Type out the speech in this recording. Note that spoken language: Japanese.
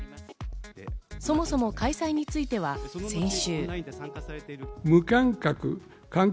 そもそも開催については先週。